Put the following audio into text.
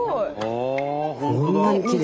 こんなにきれい。